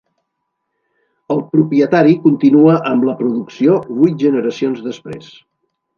El propietari continua amb la producció vuit generacions després.